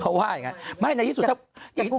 เขาว่าอย่างนั้นไม่นะยินสุดท้าย